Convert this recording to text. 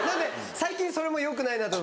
最近それもよくないなと。